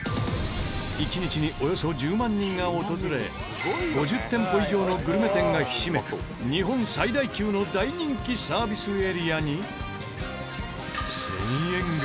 一日におよそ１０万人が訪れ５０店舗以上のグルメ店がひしめく日本最大級の大人気サービスエリアに。